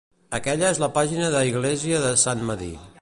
Aquella és la pàgina de Iglesia de Sant Medir.